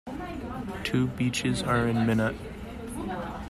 Two beaches are in Minot.